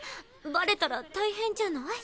バレたら大変じゃない？